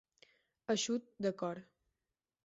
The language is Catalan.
Eixut de cor.